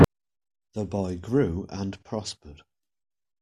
The boy grew and prospered.